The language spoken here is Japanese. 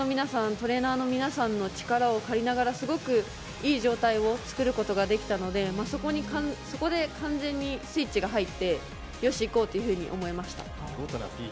トレーナーの皆さんの力を借りながらすごくいい状態を作ることができたのでそこで完全にスイッチが入ってよし、いこうというふうに思いました。